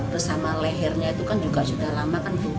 bersama lehernya itu kan juga sudah lama kan